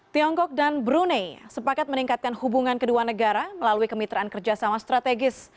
tiongkok dan brunei sepakat meningkatkan hubungan kedua negara melalui kemitraan kerjasama strategis